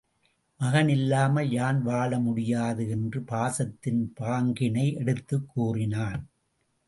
மகன் இல்லாமல் யான் வாழ முடியாது என்ற பாசத்தின் பாங்கினை எடுத்துக் கூறினான்.